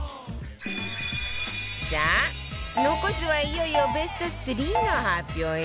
さあ残すはいよいよベスト３の発表よ